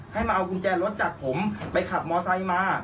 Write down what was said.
ให้มาเอากุญแจรถจากผมไปขับมอไซค์มา